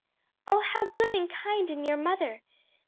"Oh how good and kind in your mother!"